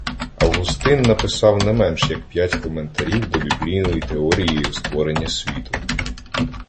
Августин написав не менш як п'ять коментарів до біблійної теорії створення світу.